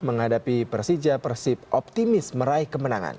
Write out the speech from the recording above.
menghadapi persija persib optimis meraih kemenangan